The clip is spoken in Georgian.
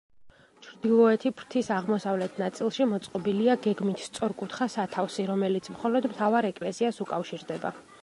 ჩრდილოეთი ფრთის აღმოსავლეთ ნაწილში მოწყობილია გეგმით სწორკუთხა სათავსი, რომელიც მხოლოდ მთავარ ეკლესიას უკავშირდება.